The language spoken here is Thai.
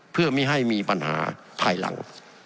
เพื่อไม่ให้มีปัญหาภายหลัง